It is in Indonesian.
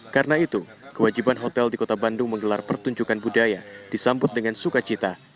karena itu kewajiban hotel di kota bandung menggelar pertunjukan budaya disambut dengan suka cita